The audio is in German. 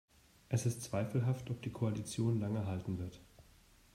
Es ist zweifelhaft, ob die Koalition lange halten wird.